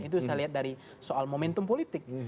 itu saya lihat dari soal momentum politik